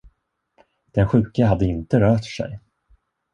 Den sjuke hade inte rört sig.